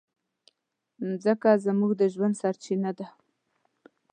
مځکه زموږ د ژوند سرچینه ده.